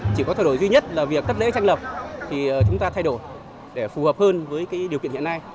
chỉ có thay đổi duy nhất là việc cất lễ tranh lập thì chúng ta thay đổi để phù hợp hơn với điều kiện hiện nay